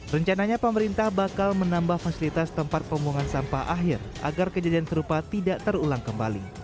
rencananya pemerintah bakal menambah fasilitas tempat pembuangan sampah akhir agar kejadian serupa tidak terulang kembali